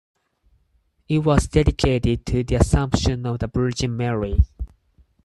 It was dedicated to the Assumption of the Virgin Mary.